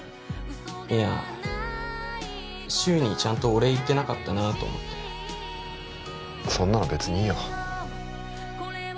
いや柊にちゃんとお礼言ってなかったなと思ってそんなの別にいいよ